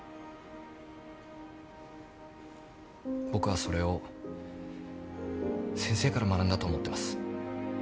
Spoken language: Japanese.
僕はそれを先生から学んだと思ってます。